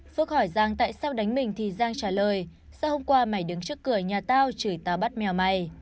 phước hỏi giang tại sao đánh mình thì giang trả lời sao hôm qua mày đứng trước cửa nhà tao chửi tao bắt mèo mày